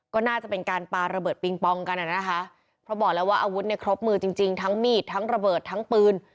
ก็น่าจะเป็นการปาระเบิดปิงปองกันอ่ะนะคะเพราะบอกแล้วว่าอาวุธเนี่ยครบมือจริงจริงทั้งมีดทั้งระเบิดทั้งปืน